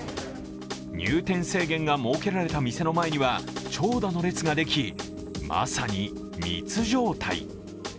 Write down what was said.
入店制限が設けられた店の前には長蛇の列ができまさに密状態。